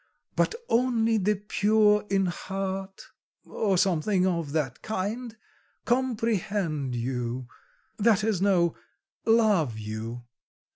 but only the pure in heart,' or something of that kind 'comprehend you' that is, no 'love you.